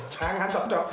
jangan dok dok